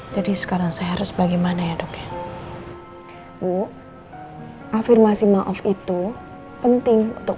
jadi sekarang saya harus bagaimana ya dok bu afirmasi maaf itu penting untuk